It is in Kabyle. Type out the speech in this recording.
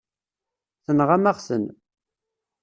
Tenɣam-aɣ-ten.